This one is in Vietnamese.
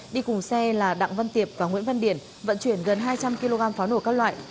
đi cùng xe là đặng văn tiệp và nguyễn văn điển vận chuyển gần hai trăm linh kg pháo nổ các loại